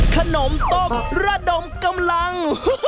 ขนมต้มระดมกำลัง